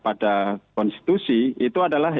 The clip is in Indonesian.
pada konstitusi itu adalah